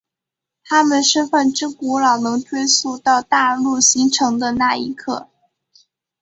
他们身份之古老能追溯到大陆形成的那一刻。